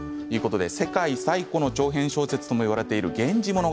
世界最古の長編小説ともいわれている「源氏物語」。